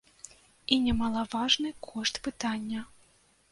І немалаважны кошт пытання.